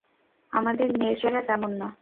আমাদের নির্জারা তেমন না।